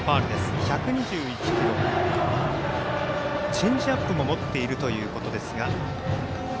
チェンジアップも持っているということですが。